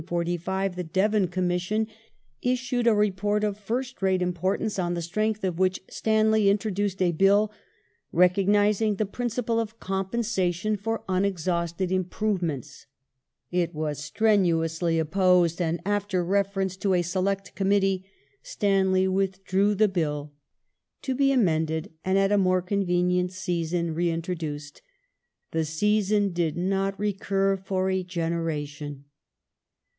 for a fine appreciation of O'Connell, Lecky, Leaders of Public Opinion in Ireland, 182 SIR ROBERT PEEL'S MINISTRY [1841 issued a report of first rate importance, on the strength of which Stanley introduced a Bill recognizing the principle of compensation for unexhausted improvements. It was strenuously opposed and, after reference to a Select Committee, Stanley withdrew the Bill, to be amended and at a more convenient season reintroduced. The season did not recur for a generation.